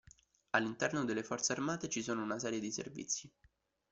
All'interno delle forze armate, ci sono una serie di servizi.